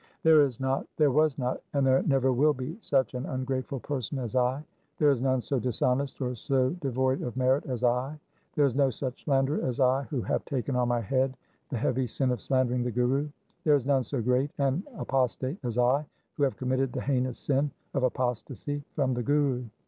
1 There is not, there was not, and there never will be such an ungrateful person as I. There is none so dishonest or so devoid of merit as I. There is no such slanderer as I who have taken on my head the heavy sin of slandering the Guru. There is none so great an apostate as I who have committed the heinous sin of apostasy from the Guru.